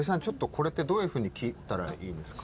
これってどういうふうに切ったらいいですか？